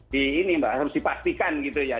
dipastikan gitu ya